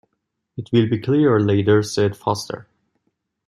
“It will be clearer later,” said Foster.